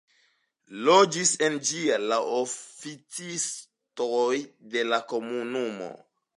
Loĝis en ĝi la oficistoj de la komunumo.